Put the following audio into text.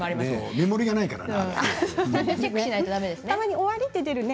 目盛りがないからね。